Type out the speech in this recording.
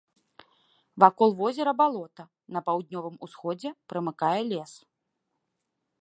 Вакол возера балота, на паўднёвым усходзе прымыкае лес.